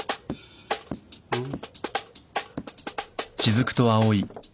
うん。